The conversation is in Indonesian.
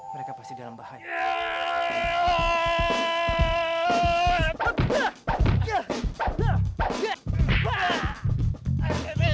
mereka pasti dalam bahaya